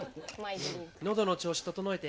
喉の調子整えて。